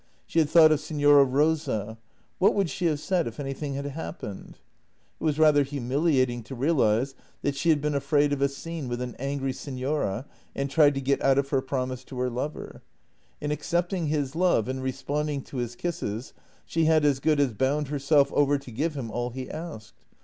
She had thought of Signora Rosa. What would she have said if anything had happened? It was rather humiliat ing to realize that she had been afraid of a scene with an angry signora — and tried to get out of her promise to her lover. In accepting his love and responding to his kisses she had as good as bound herself over to give him all he asked.